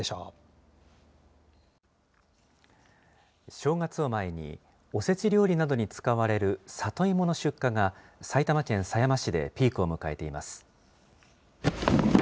正月を前に、おせち料理などに使われる里芋の出荷が埼玉県狭山市でピークを迎えています。